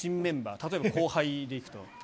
例えば、後輩でいくと。